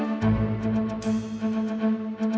akan di ekor shortage misalnya ya